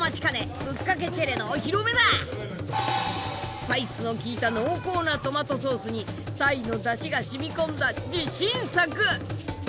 スパイスの効いた濃厚なトマトソースにタイのだしが染み込んだ自信作！